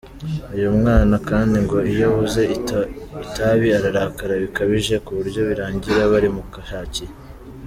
Uy mwana kandi ngo iyo abuze itabi ararakara bikabije kuburyo birangira barimushakiye.